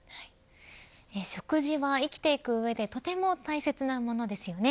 食事は生きていく上でとても大切なものですよね。